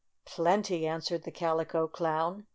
"Plenty," answered the Calico Clown.